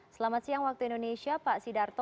selamat siang waktu indonesia pak sidarto